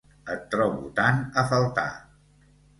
Et trobo tant a faltar!